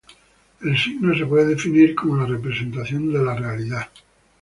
El signo se puede definir como la representación de la realidad.